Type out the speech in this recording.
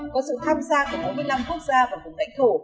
có sự tham gia của bốn mươi năm quốc gia và vùng lãnh thổ